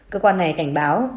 cơ quan này cảnh báo